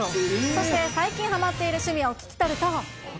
そして最近はまっている趣味を聞きとると。